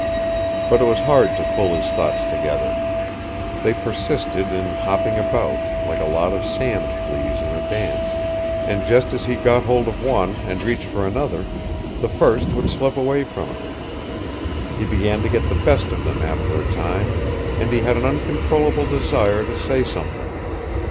But it was hard to pull his thoughts together. They persisted in hopping about, like a lot of sand fleas in a dance, and just as he got hold of one and reached for another, the first would slip away from him. He began to get the best of them after a time, and he had an uncontrollable desire to say something.